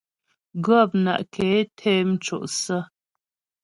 Gɔpna' ké té mco' sə̀.